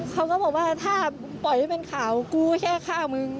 เขาก็บอกว่าถ้าปล่อยให้เป็นข่าวกูแค่ฆ่ามึง